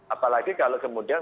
apalagi kalau kemudian